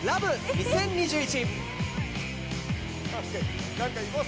２０２１」